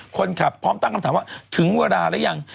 พร้อมตั้งคำถามว่าถึงเวลาหรือยัง